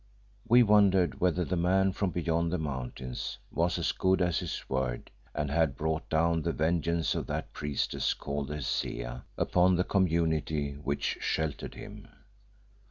We wondered whether the man from beyond the mountains was as good as his word and had brought down the vengeance of that priestess called the Hesea upon the community which sheltered him.